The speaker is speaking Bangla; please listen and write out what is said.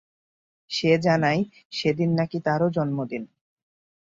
সে জানায়, সেদিন নাকি তারও জন্মদিন।